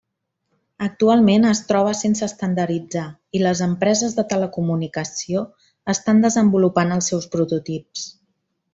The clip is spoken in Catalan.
Actualment es troba sense estandarditzar i les empreses de telecomunicació estan desenvolupant els seus prototips.